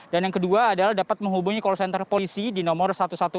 dan yang kedua adalah dapat menghubungi call center polisi di nomor satu ratus sepuluh